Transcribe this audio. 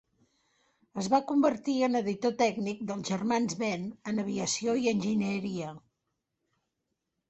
Es va convertir en editor tècnic dels Germans Benn en aviació i enginyeria.